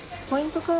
ポイント